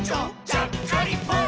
ちゃっかりポン！」